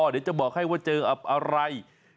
เดี๋ยวจะบอกให้ว่าเจอกับอะไร